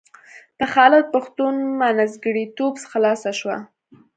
په خالد پښتون منځګړیتوب خلاصه شوه.